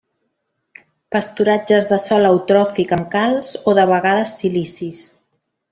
Pasturatges de sòl eutròfic amb calç o de vegades silicis.